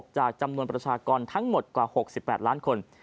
จากจำนวนประชากรทั้งหมดกว่า๖๘ล้านคน